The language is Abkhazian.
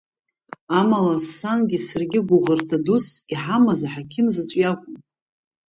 Амала сангьы саргьы гәыӷырҭа дус иҳамаз ахақьым заҵәык иакәын.